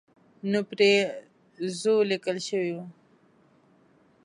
نو پرې ځو لیکل شوي وو.